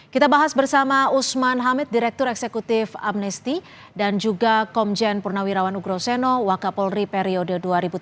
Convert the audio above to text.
kita bahas bersama usman hamid direktur eksekutif amnesti dan juga komjen purnawirawan ugro seno wak kapolri periode dua ribu tiga belas dua ribu empat belas